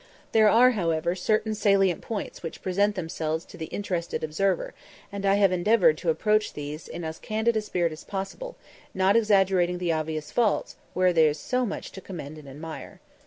There are, however, certain salient points which present themselves to the interested observer, and I have endeavoured to approach these in as candid a spirit as possible, not exaggerating obvious faults, where there is so much to commend and admire.